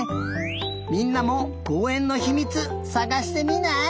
みんなもこうえんのひみつさがしてみない？